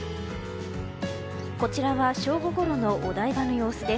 こちらは正午ごろのお台場の様子です。